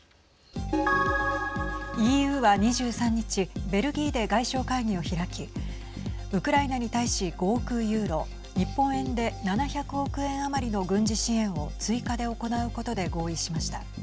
ＥＵは２３日ベルギーで外相会議を開きウクライナに対し５億ユーロ日本円で７００億円余りの軍事支援を追加で行うことで合意しました。